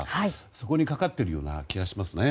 そこにかかっているような気がしますね。